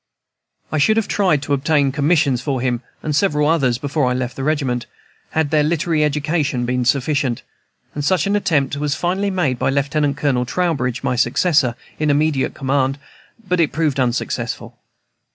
I should have tried to obtain commissions for him and several others before I left the regiment, had their literary education been sufficient; and such an attempt was finally made by Lieutenant Colonel Trowbridge, my successor in immediate command, but it proved unsuccessful.